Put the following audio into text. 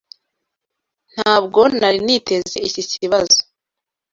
Ntabwo nari niteze iki kibazo. (Amastan)